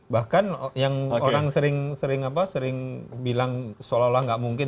bahkan yang orang sering bilang seolah olah nggak mungkin